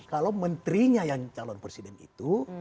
kalau menterinya yang calon presiden itu